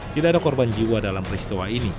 tidak ada korban jiwa dalam peristiwa ini